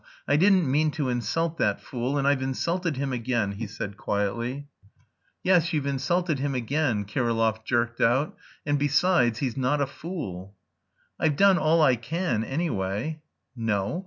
"I didn't mean to insult that... fool, and I've insulted him again," he said quietly. "Yes, you've insulted him again," Kirillov jerked out, "and besides, he's not a fool." "I've done all I can, anyway." "No."